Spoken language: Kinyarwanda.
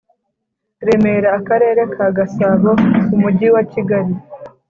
Remera Akarere ka Gasabo Umujyi wa Kigali